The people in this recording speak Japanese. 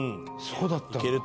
そうだったんだ」